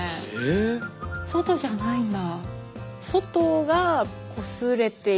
外じゃないんだ。